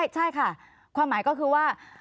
ใช่ค่ะความหมายก็คือว่า